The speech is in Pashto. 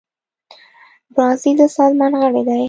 برازیل د سازمان غړی دی.